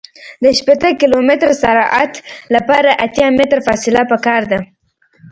د شپیته کیلومتره سرعت لپاره اتیا متره فاصله پکار ده